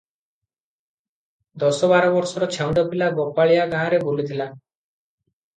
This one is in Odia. ଦଶ ବାର ବର୍ଷର ଛେଉଣ୍ଡ ପିଲା ଗୋପାଳିଆ ଗାଁରେ ବୁଲୁଥିଲା ।